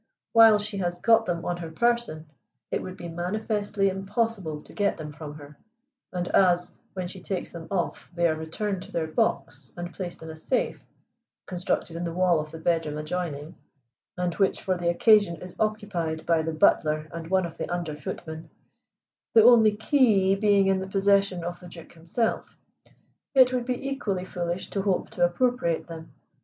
"While she has got them on her person it would be manifestly impossible to get them from her. And as, when she takes them off, they are returned to their box and placed in a safe, constructed in the wall of the bedroom adjoining, and which for the occasion is occupied by the butler and one of the under footmen, the only key being in the possession of the Duke himself, it would be equally foolish to hope to appropriate them.